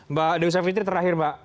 mbak dewisa fitri terakhir mbak